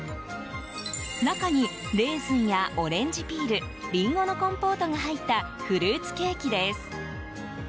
中にレーズンやオレンジピールリンゴのコンポートが入ったフルーツケーキです。